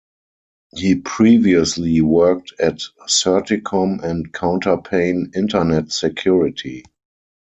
He previously worked at Certicom and Counterpane Internet Security.